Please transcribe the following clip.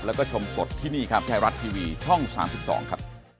แล้วก็ชมสดที่นี่ครับไทยรัฐทีวีช่อง๓๒ครับ